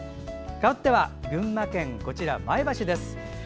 かわっては群馬県前橋です。